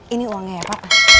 ini uangnya ya pak